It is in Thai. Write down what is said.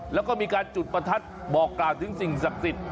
แล้วก็มีการจุดประทัดบอกกล่าวถึงสิ่งศักดิ์สิทธิ